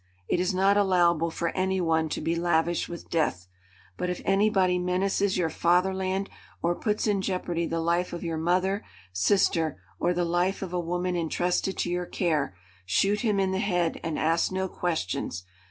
It is not allowable for any one to be lavish with death, but if anybody menaces your fatherland or puts in jeopardy the life of your mother, sister, or the life of a woman entrusted to your care, shoot him in the head and ask no questions.